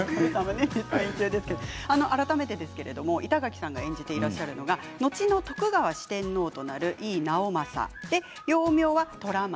改めてですけど板垣さんが演じていらっしゃるのは後の徳川四天王となる井伊直政幼名が虎松